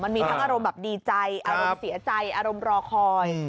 มันมีทั้งอารมณ์แบบดีใจอารมณ์เสียใจอารมณ์รอคอย